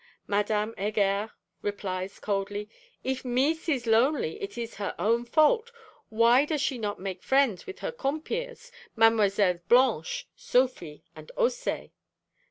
Madame Heger replies coldly: '_If "Mees" is lonely, it is her own fault. Why does she not make friends with her compeers, Mesdemoiselles Blanche, Sophie and Haussé?